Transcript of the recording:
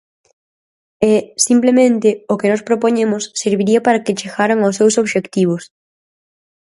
E, simplemente, o que nós propoñemos serviría para que chegaran aos seus obxectivos.